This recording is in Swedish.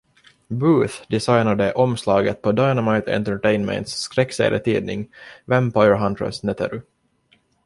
Booth designade omslaget på Dynamite Entertainments skräckserietidning Vampire Huntress Neteru.